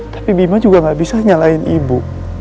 tapi bima juga gak bisa nyalain ibu